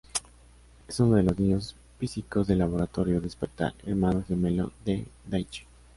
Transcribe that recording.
Es uno de los niños psíquicos del Laboratorio Despertar, hermano gemelo de Daichi.